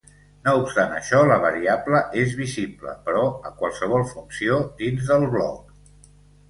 No obstant això, la variable és visible per a qualsevol funció dins del bloc.